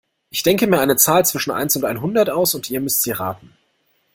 Ich denke mir eine Zahl zwischen eins und einhundert aus und ihr müsst sie raten.